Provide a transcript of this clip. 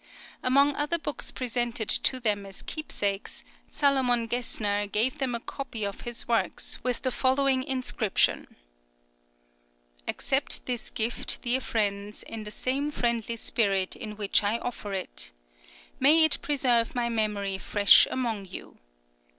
Among other books presented to them as keepsakes, Salomon Gessner gave them a copy of his works, with the following inscription: Accept this gift, dear friends, in the same friendly spirit in which I offer it. May it preserve my memory fresh among you.